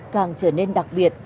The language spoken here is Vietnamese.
càng trở nên đặc biệt